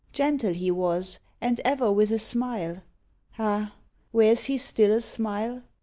Gentle he was, and ever with a smile: Ah! wears he still a smile?